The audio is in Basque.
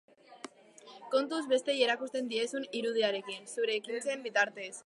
Kontuz besteei erakusten diezun irudiarekin, zure ekintzen bitartez.